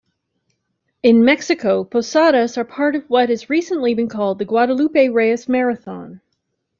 In Mexico, posadas are part of what has recently been called The Guadalupe-Reyes Marathon.